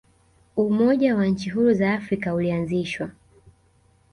umoja wa nchi huru za afrika ulianzishwa